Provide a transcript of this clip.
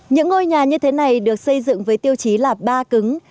những ngôi nhà như thế này được xây dựng với tiêu chí là ba cứng